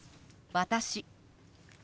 「私」。